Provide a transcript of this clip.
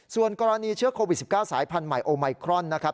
ส่วนกรณีเชื้อโควิด๑๙สายพันธุ์ใหม่โอไมครอนนะครับ